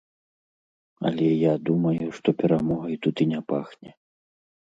Але я думаю, што перамогай тут і не пахне.